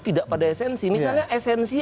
tidak pada esensi misalnya esensi